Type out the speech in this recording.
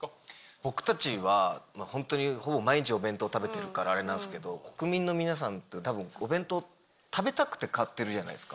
僕たちは本当にほぼ毎日お弁当食べてるから、あれなんですけど、国民の皆さんって、たぶんお弁当食べたくて買ってるじゃないですか。